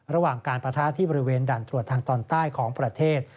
ระหว่างการปะทะที่บริเวณด่านตรวจทางตอนใต้ของประเทศ